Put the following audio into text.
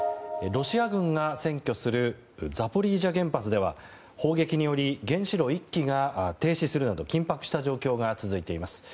ロシア軍が占拠するザポリージャ原発では砲撃により原子炉１基が停止するなど緊迫した状況が続いています。